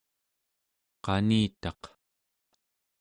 qanitaq